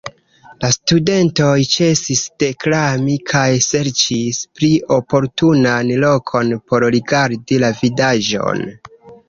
La studentoj ĉesis deklami kaj serĉis pli oportunan lokon por rigardi la vidaĵon.